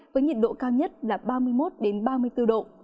với nhiệt độ cao nhất là ba mươi một ba mươi bốn độ